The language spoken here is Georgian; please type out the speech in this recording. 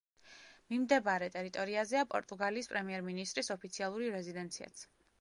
მიმდებარე ტერიტორიაზეა პორტუგალიის პრემიერ მინისტრის ოფიციალური რეზიდენციაც.